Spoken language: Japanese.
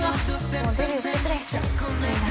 もうデビューしてくれみんな。